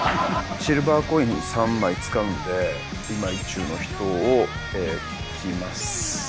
シルバーコイン３枚使うんで今意中の人をいきます。